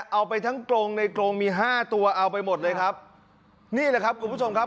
เอาไปทั้งกรงในกรงมีห้าตัวเอาไปหมดเลยครับนี่แหละครับคุณผู้ชมครับ